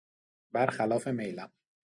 برخلاف میلم